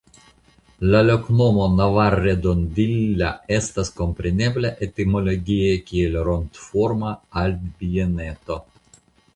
La loknomo "Navarredondilla" estas komprenebla etimologie kiel "Rondoforma Altbieneto".